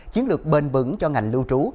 chiến lược bền vững cho ngành lưu trú